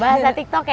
bahasa tiktok ya